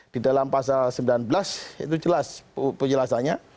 di dalam pasal sembilan belas itu jelas penjelasannya